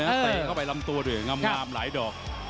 เตะเข้าไปลำตัวด้วยงามหลายดอก